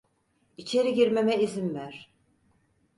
İçeri girmeme izin ver.